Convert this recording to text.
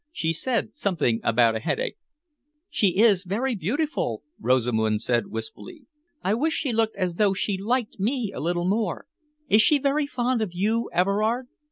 "She said something about a headache." "She is very beautiful," Rosamund said wistfully. "I wish she looked as though she liked me a little more. Is she very fond of you, Everard?"